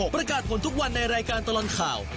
ประกาศผลทุกวันในรายการตลอดข่าว